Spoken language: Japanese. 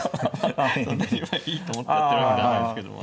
その辺はいいと思ってやってるわけじゃないですけども。